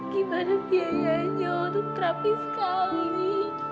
gimana biayanya untuk terapi sekali